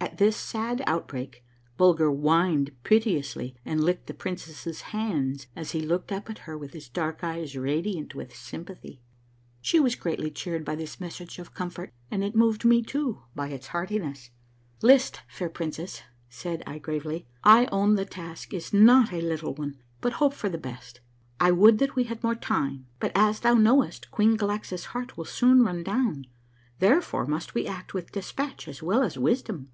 At this sad outbreak Bulger whined piteously and licked the princess's hands as he looked up at her with his dark eyes radi ant with sympathy. She was greatly cheered by this message of comfort, and it moved me, too, by its heartiness. " List, fair princess," said I gravely. " I OAvn the task is not a liglit one, but hope for the best. I would that we had more time, but as thou knowest Queen Galaxa's heart will soon run down, therefore must we act with despatch as well as wisdom.